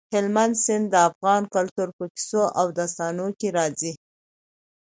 هلمند سیند د افغان کلتور په کیسو او داستانونو کې راځي.